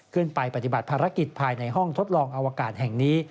ปฏิบัติภารกิจภายในห้องทดลองอวกาศแห่งนี้